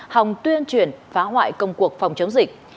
hòng tuyên truyền phá hoại công cuộc phòng chống dịch